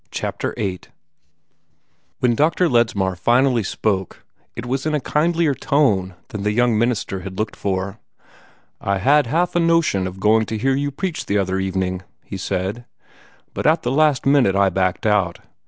CHAPTER VIII When Dr. Ledsmar finally spoke, it was in a kindlier tone than the young minister had looked for. "I had half a notion of going to hear you preach the other evening," he said; "but at the last minute I backed out.